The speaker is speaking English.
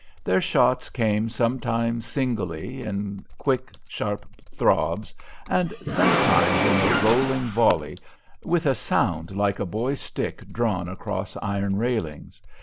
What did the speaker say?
Their shots came sometimes singly in quick, sharp throbs, and sometimes in a rolling volley, with a sound like a boy's stick drawn across iron railings.